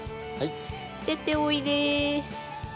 出ておいで。